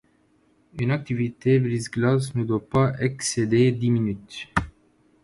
Une activité brise-glace ne doit pas excéder dix minutes.